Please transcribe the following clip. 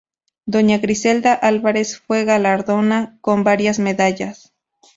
Doña Griselda Álvarez fue galardonada con varias medallas.